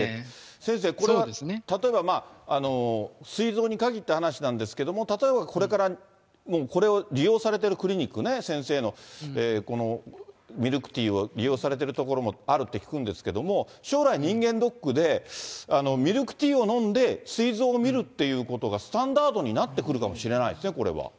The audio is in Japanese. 先生、これは例えばすい臓に限った話なんですけれども、例えばこれから、これを利用されてるクリニック、先生の、このミルクティーを利用されてる所もあるって聞くんですけど、将来人間ドックでミルクティーを飲んですい臓を見るっていうことがスタンダードになってくるかもしれないですね、これは。